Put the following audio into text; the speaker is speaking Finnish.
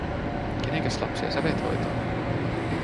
“Kenenkäs lapsia sä veit hoitoon?